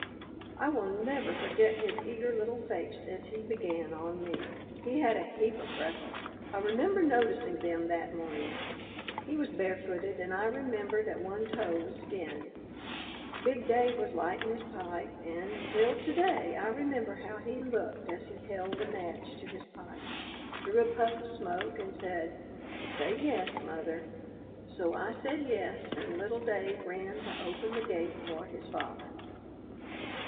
"I will never forget his eager little face as he began on me. He had a heap of freckles; I remember noticing them that morning; he was barefooted, and I remember that one toe was skinned. Big Dave was lighting his pipe, and till to day I remember how he looked as he held the match to his pipe, drew a puff of smoke, and said, 'Say yes, mother.' So I said yes, and little Dave ran to open the gate for his father.